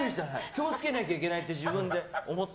気をつけなきゃいけないって自分で思った。